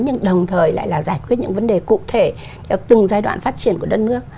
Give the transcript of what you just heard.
nhưng đồng thời lại là giải quyết những vấn đề cụ thể từng giai đoạn phát triển của đất nước